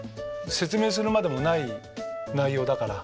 説明するまでもない内容だから。